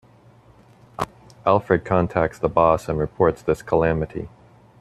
Alfred contacts the boss and reports this calamity.